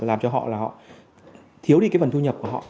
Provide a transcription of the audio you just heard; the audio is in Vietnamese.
làm cho họ là họ thiếu đi cái phần thu nhập của họ